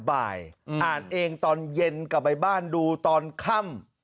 แต่แต่บ่ายอ่านเองตอนเย็นกลับไปบ้านดูตอนคั่ม